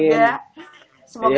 terima kasih mbak melfri